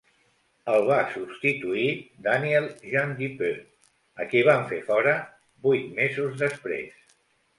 El va substituir Daniel Jeandupeux, a qui van fer fora vuit mesos després.